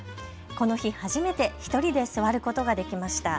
この日初めて１人で座ることができました。